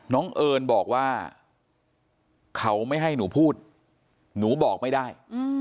เอิญบอกว่าเขาไม่ให้หนูพูดหนูบอกไม่ได้